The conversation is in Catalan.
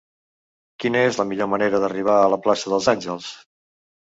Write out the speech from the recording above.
Quina és la millor manera d'arribar a la plaça dels Àngels?